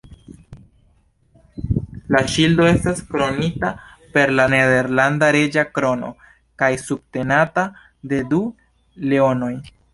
La ŝildo estas kronita per la nederlanda reĝa krono kaj subtenata de du leonoj.